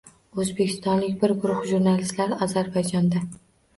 O‘zbekistonlik bir guruh jurnalistlar Ozarbayjonda